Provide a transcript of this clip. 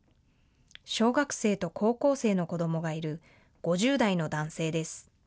小学生と高校生の子どもがいる５０代の男性です。